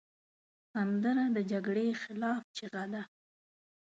سندره د جګړې خلاف چیغه ده